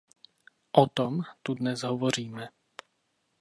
O tom tu dnes hovoříme.